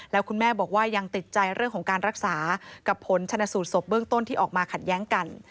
แล้วคุณแม่บอกว่ายังติดใจเรื่องของการรักษากับผลชนะสูตรศพเบื้องต้นที่ออกมาขัดแย้งกัน